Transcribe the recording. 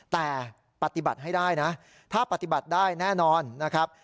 แต่ปฏิบัติให้ได้นะถ้าปฏิบัติได้แน่นอนนะครับ